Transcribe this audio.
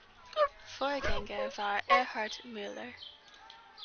Vorgänger war Erhard Müller.